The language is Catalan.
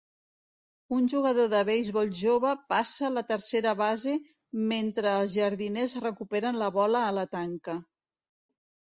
Un jugador de beisbol jove passa la tercera base mentre els jardiners recuperen la bola a la tanca